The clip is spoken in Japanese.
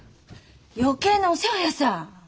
余計なお世話やさ！